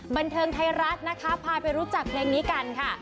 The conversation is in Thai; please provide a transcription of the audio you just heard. บันเทิงไทยรัฐนะคะพาไปรู้จักเพลงนี้กันค่ะ